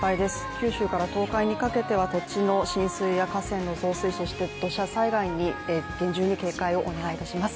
九州から東海にかけては土地の浸水や河川の増水、土砂災害に厳重に警戒をお願いします。